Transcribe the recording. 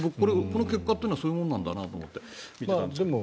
この結果はそういうものなんだなと思って見てたんですが。